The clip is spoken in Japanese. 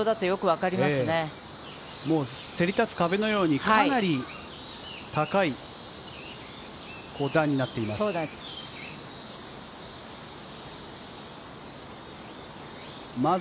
せりたつ立つ壁のように、かなり高い段になっています。